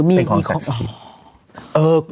เป็นของศักดิ์สิทธิ์